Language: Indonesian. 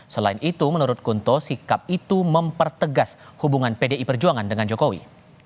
selain itu menurut kunto sikap itu mempertegas hubungan pdi perjuangan dengan jokowi